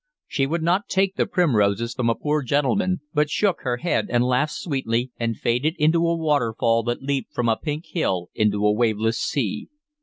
She would not take the primroses from a poor gentleman, but shook her head and laughed sweetly, and faded into a waterfall that leaped from a pink hill into a waveless sea.